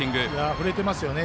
振れてますよね。